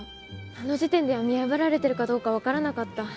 あの時点では見破られてるかどうか分からなかった。